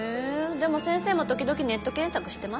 でも先生も時々ネット検索してますよね。